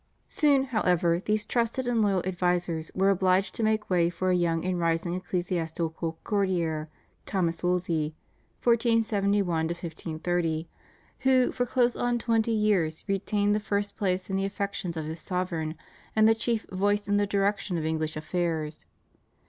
Soon, however, these trusted and loyal advisers were obliged to make way for a young and rising ecclesiastical courtier, Thomas Wolsey (1471 1530), who for close on twenty years retained the first place in the affections of his sovereign and the chief voice in the direction of English affairs.